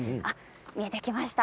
見えてきました。